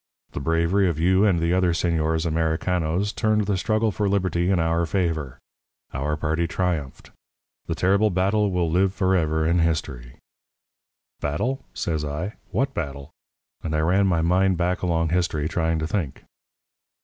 The bravery of you and the other señores Americanos turned the struggle for liberty in our favour. Our party triumphed. The terrible battle will live forever in history. "'Battle?' says I; 'what battle?' and I ran my mind back along history, trying to think.